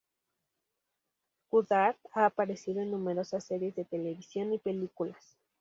Woodard ha aparecido en numerosas series de televisión y películas.